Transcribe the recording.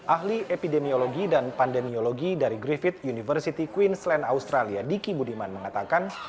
ahli epidemiologi dan pandemiologi dari griffith university queensland australia diki budiman mengatakan